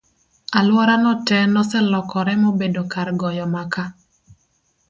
alwora no te noselokore mobedo kar goyo maka